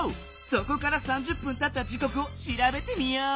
そこから３０分たった時こくをしらべてみよう。